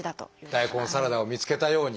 大根サラダを見つけたように。